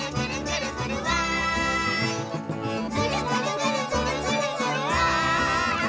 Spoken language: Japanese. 「ぐるぐるぐるぐるぐるぐるわい！」